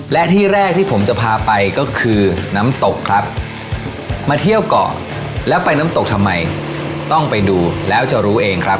และที่แรกที่ผมจะพาไปก็คือน้ำตกครับมาเที่ยวเกาะแล้วไปน้ำตกทำไมต้องไปดูแล้วจะรู้เองครับ